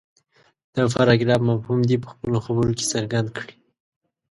د پراګراف مفهوم دې په خپلو خبرو کې څرګند کړي.